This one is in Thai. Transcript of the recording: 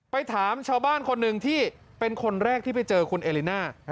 ไปถามชาวบ้านคนหนึ่งที่เป็นคนแรกที่ไปเจอคุณเอลิน่า